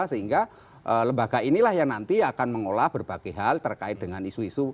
sehingga lembaga inilah yang nanti akan mengolah berbagai hal terkait dengan isu isu